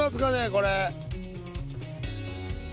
これ。